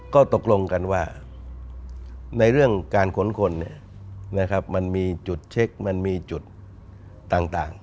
ก็ตกลงกันว่าในเรื่องการขนคนมันมีจุดเช็คมันมีจุดต่าง